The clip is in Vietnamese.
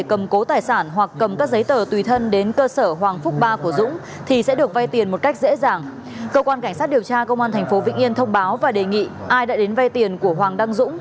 cơ quan cảnh sát điều tra công an tp vĩnh yên thông báo và đề nghị ai đã đến vay tiền của hoàng đăng dũng